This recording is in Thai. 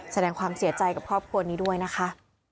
แสดงความเสียใจกับครอบครัวนี้ด้วยนะคะ